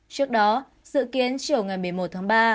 trước đó dự kiến chiều ngày một mươi một tháng ba